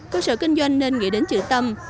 cơ sở kinh doanh nên nghĩ đến trị tâm